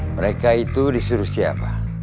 mereka itu disuruh siapa